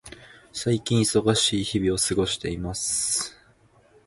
最近、忙しい日々を過ごしています。